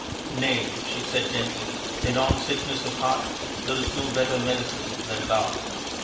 " Nay," she said gently, " in all sickness of heart there is no better medicine than love.